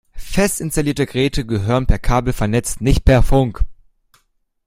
Fest installierte Geräte gehören per Kabel vernetzt, nicht per Funk.